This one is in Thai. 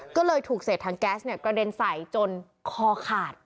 ก็เลยถูกเสร็จทางแก๊สเนี่ยกระเด็นใส่จนคอขาด